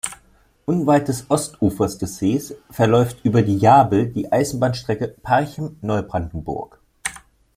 Unweit des Ostufers des Sees verläuft über Jabel die Eisenbahnstrecke Parchim–Neubrandenburg.